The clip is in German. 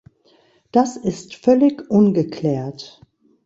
Das ist völlig ungeklärt!